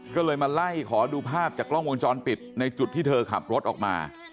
ก็เลยมาไล่ขอดูภาพจากกล้องวงจรปิดในจุดที่เธอขับรถออกมา